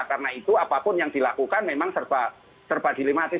karena itu apapun yang dilakukan memang serba serba dilematis